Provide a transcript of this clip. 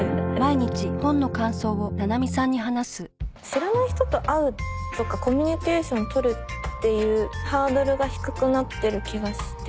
知らない人と会うとかコミュニケーション取るっていうハードルが低くなってる気がして。